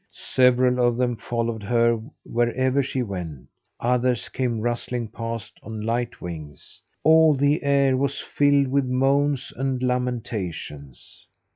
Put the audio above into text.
Several of them followed her wherever she went; others came rustling past on light wings. All the air was filled with moans and lamentations.